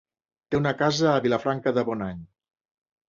Té una casa a Vilafranca de Bonany.